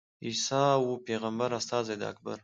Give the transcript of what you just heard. عیسی وو پېغمبر استازی د اکبر.